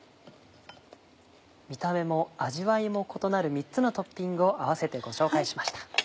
見た目も味わいも異なる３つのトッピングを併せてご紹介しました。